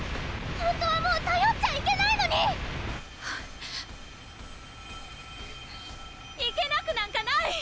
ほんとはもうたよっちゃいけないのにいけなくなんかない！